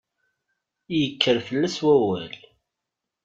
Yekker fell-as wawal.